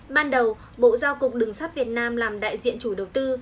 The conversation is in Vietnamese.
ban đầu bộ giao cục đường sắt việt nam làm đại diện chủ đầu tư